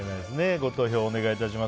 ご投票をお願いします。